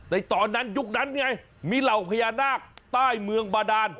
ในตอนนั้นยุคนั้นไงมีเหล่าพญานาคใต้เมืองบาดาน